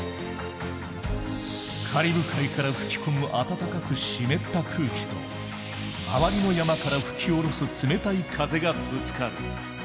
カリブ海から吹き込む暖かく湿った空気と周りの山から吹き降ろす冷たい風がぶつかる。